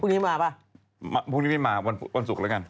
นี้มาป่ะพรุ่งนี้ไม่มาวันศุกร์แล้วกัน